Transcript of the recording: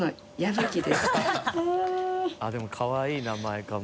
向井）でもかわいい名前かも。